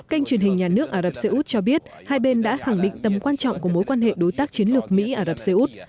kênh truyền hình nhà nước ả rập xê út cho biết hai bên đã khẳng định tầm quan trọng của mối quan hệ đối tác chiến lược mỹ ả rập xê út